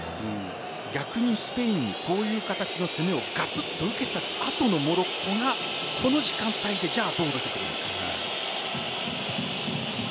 逆にスペインにこういう形の攻めを受けた後のモロッコがこの時間帯でどう出てくるか。